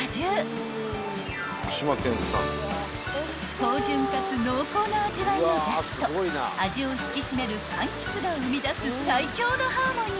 ［芳醇かつ濃厚な味わいのだしと味を引き締めるかんきつが生み出す最強のハーモニー］